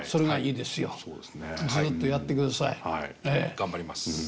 頑張ります。